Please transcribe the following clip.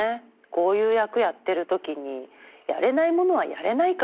こういう役やってるときにやれないものはやれないから。